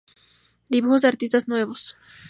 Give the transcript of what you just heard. Dibujos de artistas nuevos".